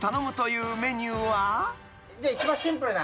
じゃあ一番シンプルな。